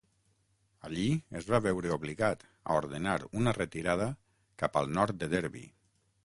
Allí es va veure obligat a ordenar una retirada cap al nord de Derby.